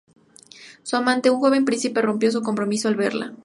Su amante, un joven príncipe, rompió su compromiso al verla.